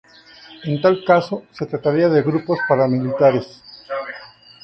En tal caso, se trataría de grupos paramilitares.